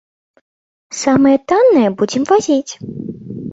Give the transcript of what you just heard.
Самае таннае будзем вазіць.